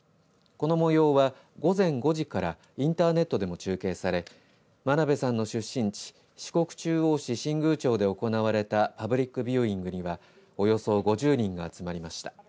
この模様は、午前５時からインターネットでも中継され真鍋さんの出身地四国中央市新宮町で行われたパブリックビューイングにはおよそ５０人が集まりました。